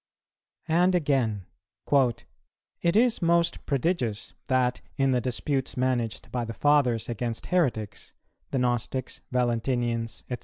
And again: "It is most prodigious that, in the disputes managed by the Fathers against heretics, the Gnostics, Valentinians, &c.